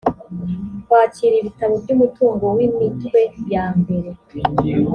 kwakira ibitabo by umutungo w imitwe yambere